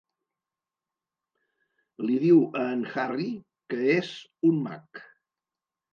Li diu a en Harry que és un mag.